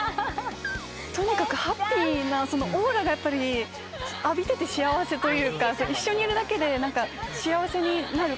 とにかくハッピーなオーラが浴びてて幸せというか一緒にいるだけで幸せになる感じ。